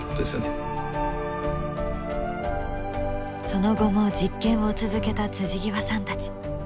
その後も実験を続けた極さんたち。